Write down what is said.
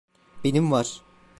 Benim var.